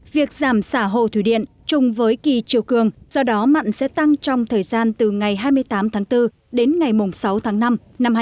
việc giảm xả hồ thủy điện chung với kỳ chiều cường do đó mặn sẽ tăng trong thời gian từ ngày hai mươi tám tháng bốn đến ngày sáu tháng năm năm hai nghìn hai mươi bốn